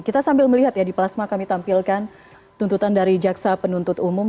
kita sambil melihat ya di plasma kami tampilkan tuntutan dari jaksa penuntut umum